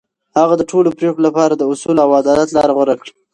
هغه د ټولو پرېکړو لپاره د اصولو او عدالت لار غوره کړه.